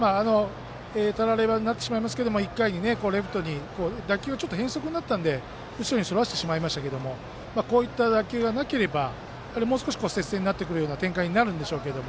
たらればになってしまいますけど１回にレフトに打球がちょっと変則になったので後ろにそらしてしまいましたけどこういった打球がなければもう少し接戦になってくるような展開になるんでしょうけど。